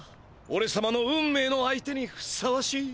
おれさまの運命の相手にふさわしい。